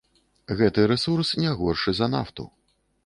Гэты рэсурс не горшы за нафту.